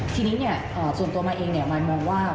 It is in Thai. ทีนี้ส่วนตัวมาเองมายมองว่า